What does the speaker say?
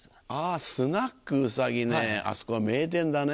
あスナックうさぎねあそこは名店だね。